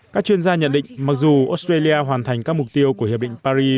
các chuyên gia nhận định mặc dù australia hoàn thành các mục tiêu của hiệp định paris